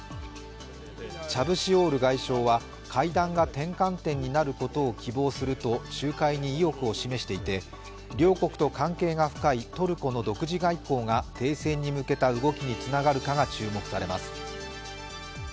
チャブシオール外相は会談が転換点になることを希望すると仲介に意欲を示していて、両国と関係が深いトルコの独自外交が停戦に向けた動きにつながるかが注目されます。